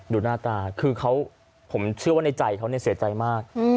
ดูหน้าตาคือเขาผมเชื่อว่าในใจเขาเสียใจมาก